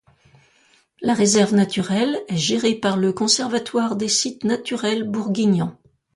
La réserve naturelle est gérée par le Conservatoire des Sites Naturels Bourguignons.